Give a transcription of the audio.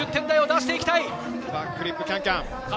バックフリップキャンキャン！